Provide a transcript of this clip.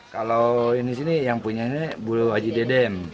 kalau ini sini yang punya ini bu haji dedek